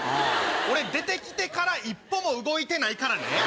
俺出て来てから一歩も動いてないからね。